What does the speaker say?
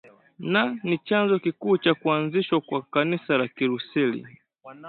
na ni chanzo kikuu cha kuanzishwa kwa kanisa la kilutheri